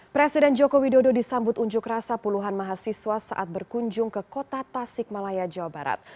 presiden joko widodo disambut unjuk rasa puluhan mahasiswa saat berkunjung ke kota tasik malaya jawa barat